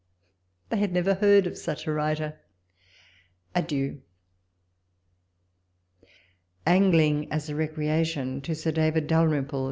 They had never heard of such a writer. Adieu ! ANGLING AS A liECIiJCATION. To Sip. David Dalrymple.